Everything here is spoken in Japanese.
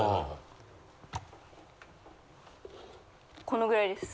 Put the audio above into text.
このぐらいです。